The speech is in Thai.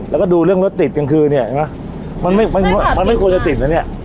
แล้วก็ดูเรื่องรถติดกลางคืนเนี่ยเห็นไหมมันไม่มันไม่ควรจะติดนะเนี่ย